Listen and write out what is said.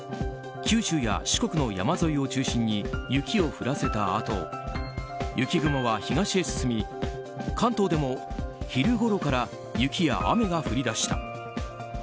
九州や四国の山沿いを中心に雪を降らせたあと雪雲は東へ進み関東でも昼ごろから雪や雨が降り出した。